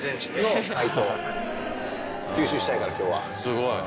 すごい。